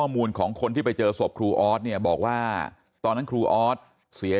มูลของคนที่ไปเจอศพครูออสเนี่ยบอกว่าตอนนั้นครูออสเสีย